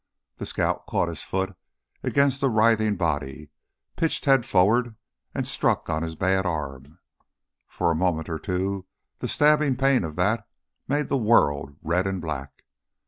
The scout caught his foot against the writhing body, pitched head forward, and struck on his bad arm. For a moment or two the stabbing pain of that made the world red and black.